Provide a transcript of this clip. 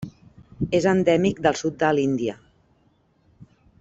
És endèmic del sud de l'Índia.